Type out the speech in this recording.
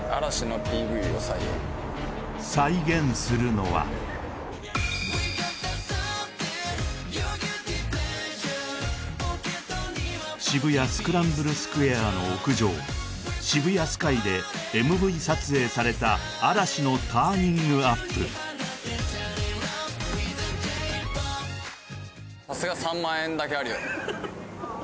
再現するのは渋谷スクランブルスクエアの屋上ＳＨＩＢＵＹＡＳＫＹでＭＶ撮影された嵐の「ＴｕｒｎｉｎｇＵｐ」だけあるよね